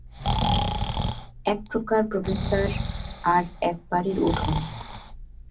এক প্রধান প্রবেশদ্বার আর এক বাড়ির উঠোন।